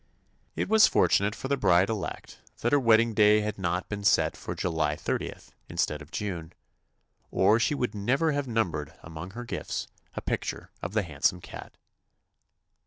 It was fortunate for the bride elect that her wedding day had not been set for July thirtieth instead of June, or she would never have num bered among her gifts a picture of the handsome cat.